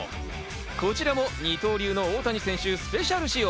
こちらも二刀流の大谷選手スペシャル仕様。